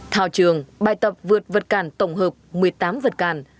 thảo trường bài tập vượt vật cản tổng hợp một mươi tám vật cản